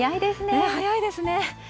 早いですね。